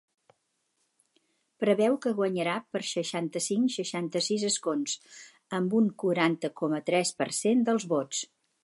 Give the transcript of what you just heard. Preveu que guanyarà per seixanta-cinc-seixanta-sis escons, amb un quaranta coma tres per cent dels vots.